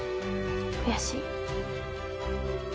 悔しい」。